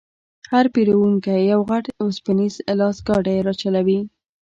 هر پېرونکی یو غټ وسپنیز لاسګاډی راچلوي.